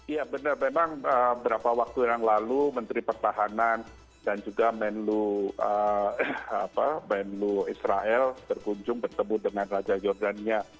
ya benar memang beberapa waktu yang lalu menteri pertahanan dan juga menlu israel berkunjung bertemu dengan raja jordania